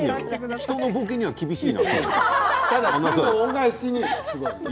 人のぼけには厳しいな。